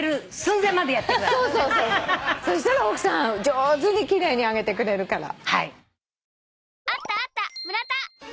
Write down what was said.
そしたら奥さん上手に奇麗に揚げてくれるから。